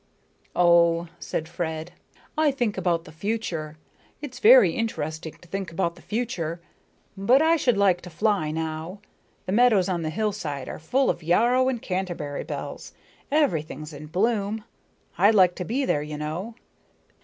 "Oh," said Fred, "I think about the future. It's very interesting to think about the future. But I should like to fly now. The meadows on the hillside are full of yarrow and canterbury bells; everything's in bloom. I'd like to be there, you know."